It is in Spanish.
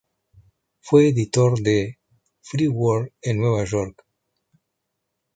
Fue editor del "Free World" en Nueva York.